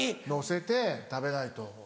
のせて食べないと。